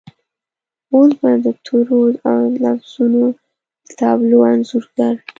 اوس به د تورو او لفظونو د تابلو انځورګر